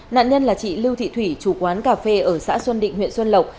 nạn nhân là chị lưu thị thủy chủ quán cà phê ở xã xuân định huyện xuân lộc